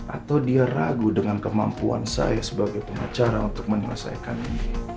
atau dia ragu dengan kemampuan saya sebagai pengacara untuk menyelesaikannya